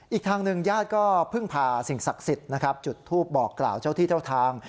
อีกทางหนึ่งญาติก็เพิ่งพาสิ่งศักดิ์สิทธิ์นะครับจุดทูปบอกกล่าวเจ้าที่เจ้าทาง